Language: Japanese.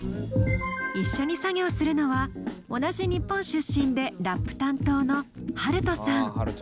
一緒に作業するのは同じ日本出身でラップ担当のＨＡＲＵＴＯさん。